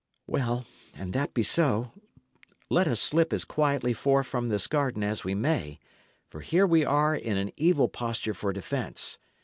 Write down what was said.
Well, an that be so, let us slip as quietly forth from this garden as we may; for here we are in an evil posture for defence.